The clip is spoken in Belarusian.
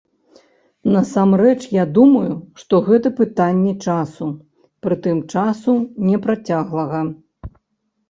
Насамрэч я думаю, што гэта пытанне часу, прытым часу непрацяглага.